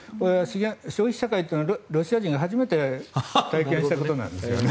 消費社会というのはロシア人が初めて体験したことなので。